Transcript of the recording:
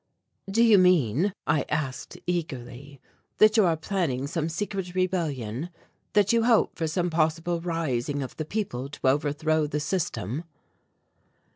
"Do you mean," I asked eagerly, "that you are planning some secret rebellion that you hope for some possible rising of the people to overthrow the system?"